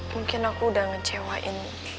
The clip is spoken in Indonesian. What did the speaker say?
mungkin aku udah ngecewain